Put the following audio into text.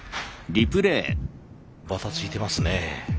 ばたついてますね。